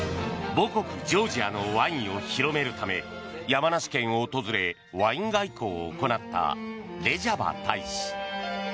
母国ジョージアのワインを広めるため山梨県を訪れ、ワイン外交を行ったレジャバ大使。